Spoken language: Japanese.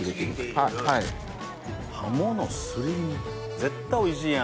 絶対おいしいやん。